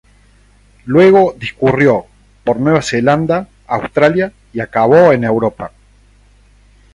Luego discurrió por Nueva Zelanda, Australia y acabó en Europa.